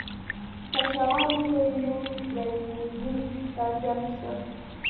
که شعاع لویه وي نو سوپرایلیویشن ته اړتیا نشته